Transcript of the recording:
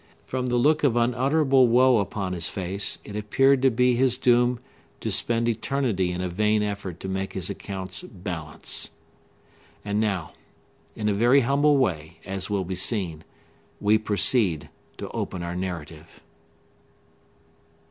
From the look of unutterable woe upon his face, it appeared to be his doom to spend eternity in a vain effort to make his accounts balance. And now—in a very humble way, as will be seen—we proceed to open our narrative.